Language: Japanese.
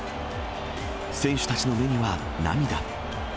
選手たちの目には涙。